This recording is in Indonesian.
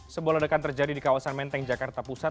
sebuah ledakan terjadi di kawasan menteng jakarta pusat